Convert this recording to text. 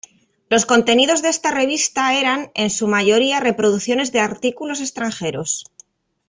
Los contenidos de esta revista eran, en su mayoría, reproducciones de artículos extranjeros.